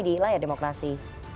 di layar demokrasi